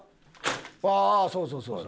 あっそうそうそうそう。